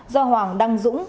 do hoàng đăng dũng